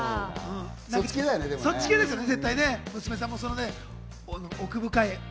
そっち系ですよね。